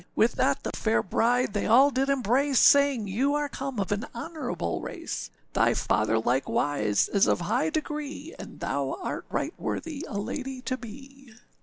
With that the fair bride they all did embrace, Saying, âYou are come of an honourable race, Thy father likewise is of high degree, And thou art right worthy a lady to be.